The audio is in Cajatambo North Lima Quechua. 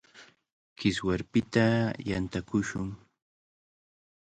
Kiswarpita yantakushun.